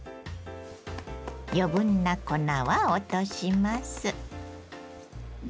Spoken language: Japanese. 余分な粉は落とします。